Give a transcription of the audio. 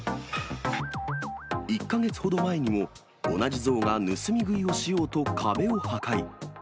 １か月ほど前にも、同じ象が盗み食いをしようと、壁を破壊。